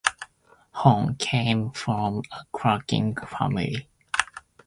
Hone came from a cricketing family.